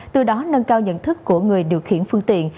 từ đó nâng cao nhận thức của người điều khiển phương tiện